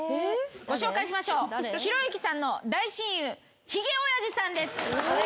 ご紹介しましょうひろゆきさんの大親友ひげおやじさんです。